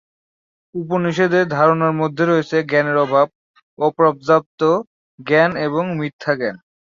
উপনিষদে, ধারণার মধ্যে রয়েছে "জ্ঞানের অভাব, অপর্যাপ্ত জ্ঞান এবং মিথ্যা জ্ঞান"।